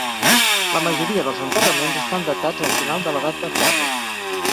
La majoria dels enterraments estan datats al final de l"edat de ferro.